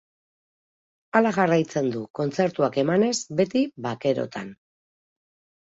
Hala jarraitzen du, kontzertuak emanez, beti bakerotan.